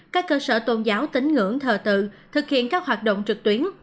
các cơ sở tôn giáo tính ngưỡng thờ tự thực hiện các hoạt động trực tuyến